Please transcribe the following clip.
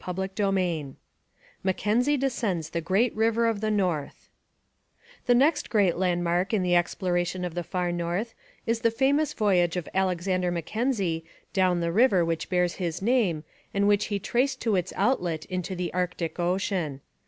CHAPTER III MACKENZIE DESCENDS THE GREAT RIVER OF THE NORTH The next great landmark in the exploration of the Far North is the famous voyage of Alexander Mackenzie down the river which bears his name, and which he traced to its outlet into the Arctic ocean.